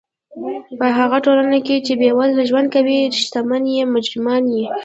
په هغه ټولنه کښي، چي بېوزله ژوند کوي، ښتمن ئې مجرمان يي.